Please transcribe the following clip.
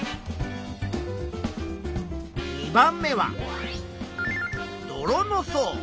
２番目は泥の層。